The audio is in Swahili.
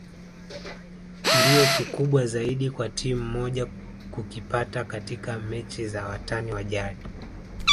ndio kikubwa zaidi kwa timu moja kukipata katika mechi za watani wa jadi